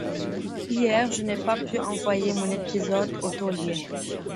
Hier, je n’ai pas pu envoyer mon épisode au Taulier.